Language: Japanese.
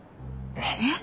えっ！？